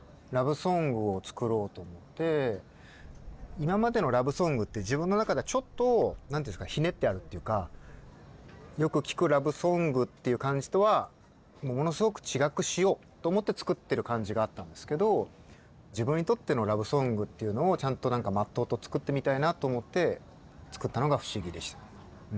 今までのラブソングって自分の中ではちょっとひねってあるというかよく聞くラブソングっていう感じとはものすごく違くしようと思って作ってる感じがあったんですけど自分にとってのラブソングっていうのをちゃんとまっとうと作ってみたいなと思って作ったのが「不思議」でした。